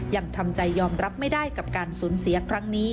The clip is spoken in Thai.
ยังทำใจยอมรับไม่ได้กับการสูญเสียครั้งนี้